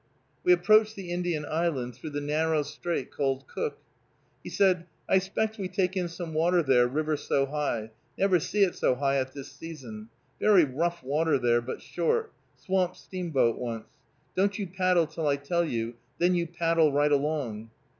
We approached the Indian Island through the narrow strait called "Cook." He said, "I 'xpect we take in some water there, river so high, never see it so high at this season. Very rough water there, but short; swamp steamboat once. Don't you paddle till I tell you, then you paddle right along."